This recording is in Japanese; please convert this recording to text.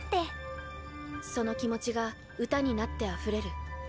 その気持ちが歌になってあふれる。